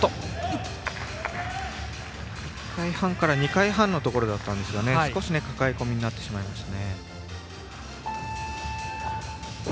１回半から２回半のところだったんですが少し抱え込みになってしまいました。